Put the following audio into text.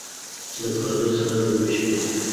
چې د پردو سره، د نیمې شپې،